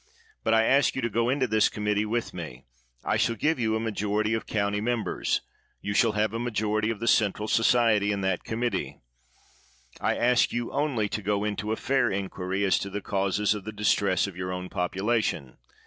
But I ask you to go into this committee with me. I will give you a majoritv of county mem bers. You shall have a majority of the Centi*al Society in that committee. I ask you only to go into a fair inquiry as to the causes of the distress of your own population.